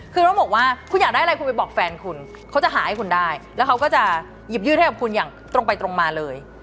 คือต้องบอกว่าคุณอยากได้อะไรคุณไปบอกแฟนคุณเขาจะหาให้คุณได้แล้วเขาก็จะหยิบยืดให้กับคุณอย่างตรงไปตรงมาเลย